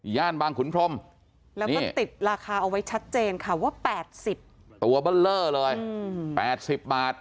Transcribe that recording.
ย่านบางขุนพรมแล้วก็ติดราคาเอาไว้ชัดเจนค่ะว่า๘๐ตัวเบอร์เลอร์เลย๘๐บาท